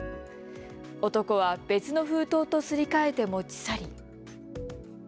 男は別の封筒とすり替えて持ち去り。